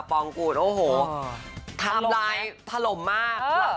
ปองกูตโอ้โหทำรายถล่มมากเออ